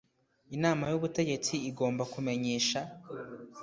Inama Y Ubutegetsi Igomba Kumenyesha